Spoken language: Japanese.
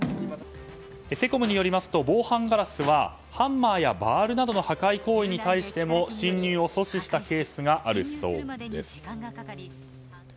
セコムによりますと防犯ガラスはハンマーやバールなどの破壊行為に対しても侵入を阻止したケースがあるそうです。